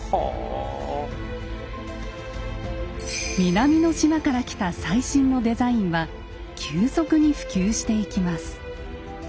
南の島から来た最新のデザインは急速に普及していきます。